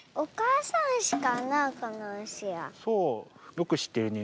よくしってるね。